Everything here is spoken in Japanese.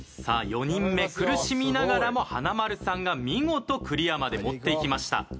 さあ４人目苦しみながらも華丸さんが見事クリアまで持っていきました。